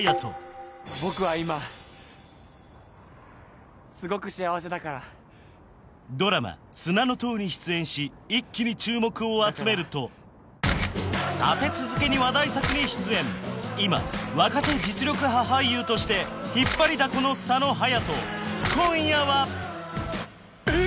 僕は今すごく幸せだからドラマ「砂の塔」に出演し一気に注目を集めると立て続けに話題作に出演今若手実力派俳優として引っ張りだこの佐野勇斗今夜はえ！